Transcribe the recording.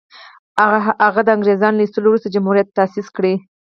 هغه د انګرېزانو له ایستلو وروسته جمهوریت تاءسیس کړي.